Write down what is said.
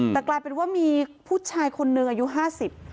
แต่กลายเป็นว่ามีผู้ชายคนหนึ่งอายุห้าสิบ